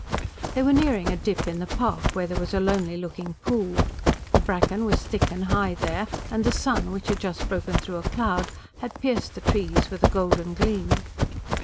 They were nearing a dip in the park, where there was a lonely looking pool. The bracken was thick and high there, and the sun, which had just broken through a cloud, had pierced the trees with a golden gleam.